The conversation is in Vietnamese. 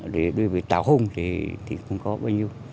rồi đối với tàu hôn thì không có bao nhiêu